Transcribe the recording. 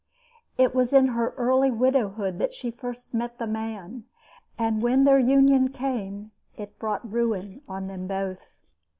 It was in her early widowhood that she first met the man, and when their union came it brought ruin on them both.